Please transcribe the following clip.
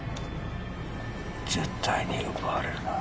絶対に奪われるな。